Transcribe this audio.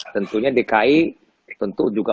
tentunya dki tentu juga